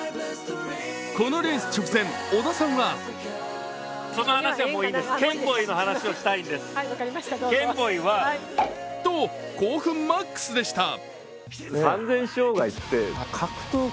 このレース直前、織田さんはと興奮マックスでした。